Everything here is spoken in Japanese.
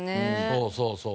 そうそうそう。